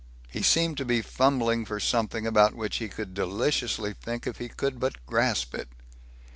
He seemed to be fumbling for something about which he could deliciously think if he could but grasp it.